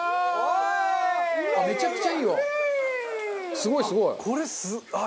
すごいすごい。